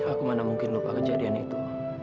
aku mana mungkin lupa kejadian itu